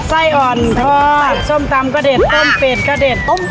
ไส้อ่อนทอดส้มตำกระเด็ดต้มเป็ดกระเด็ดต้ม